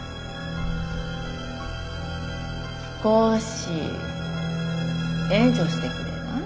少し援助してくれない？